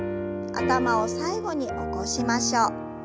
頭を最後に起こしましょう。